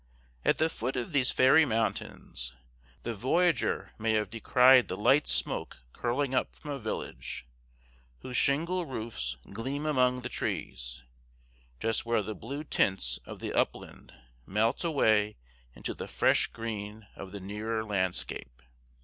At the foot of these fairy mountains, the voyager may have descried the light smoke curling up from a Village, whose shingle roofs gleam among the trees, just where the blue tints of the upland melt away into the fresh green of the nearer landscape.